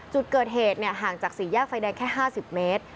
จุดเกิดเหตุห่างจากสี่แยกไฟแดงแค่๕๐เมตร